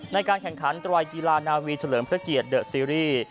ในการแข่งขันไตรกีฬานาวีเฉลิมพระเกียรติเดอะซีรีส์